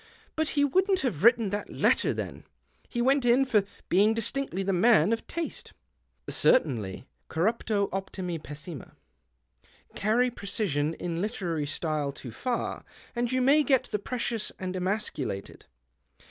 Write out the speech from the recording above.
■ But he wouldn't have written that letter then. He went in for being distinctly the man of taste." " Certainly. Corruptio optimi pessima. Carry precision in literary style too far, and you may get the precious and emasculated.